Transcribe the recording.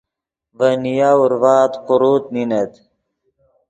ڤے نیا اورڤآت قوروت نینت